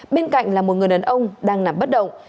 bên cạnh là một người đàn ông đang nằm bất động